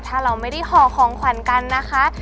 ถ้าเราไม่ได้ห่อของขวัญกันนะคะ